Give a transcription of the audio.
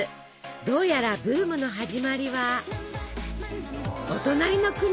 どうやらブームの始まりはお隣の国。